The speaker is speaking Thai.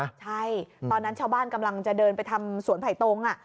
ใช่ตอนนั้นชาวบ้านกำลังจะเดินไปทำสวนไผ่ตรง